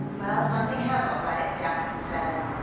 "Well, something has, all right," the African said.